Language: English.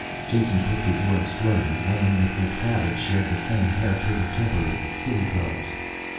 Jason picked his words slowly, wondering if this savage shared the same hair trigger temper as the city dwellers.